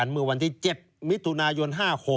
เมื่อวันที่๗มิถุนายน๕๖